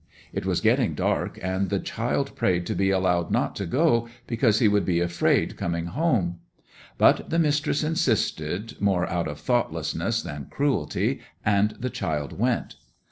It was getting dark, and the child prayed to be allowed not to go, because he would be afraid coming home. But the mistress insisted, more out of thoughtlessness than cruelty, and the child went.